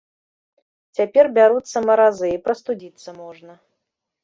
Цяпер бяруцца маразы, і прастудзіцца можна.